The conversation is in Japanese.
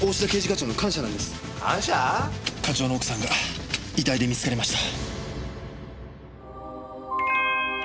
課長の奥さんが遺体で見つかりました。